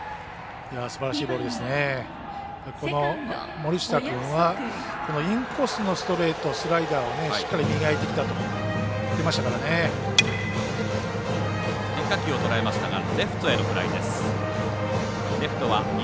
森下君はインコースのストレートスライダーをしっかり磨いてきたと言っていましたからね。